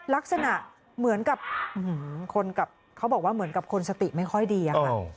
ลักษณะเหมือนกับเขาบอกว่าเหมือนกับคนสติไม่ค่อยดี